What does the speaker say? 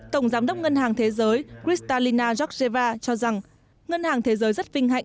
tổng giám đốc ngân hàng thế giới kristalina chokcheva cho rằng ngân hàng thế giới rất vinh hạnh